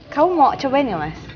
kamu mau cobain ya mas